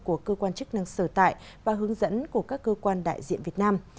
của cơ quan chức năng sở tại và hướng dẫn của các cơ quan đại diện việt nam